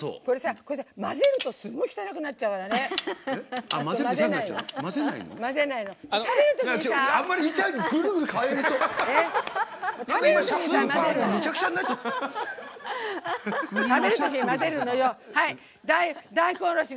混ぜるとすごい汚くなっちゃうから混ぜないように。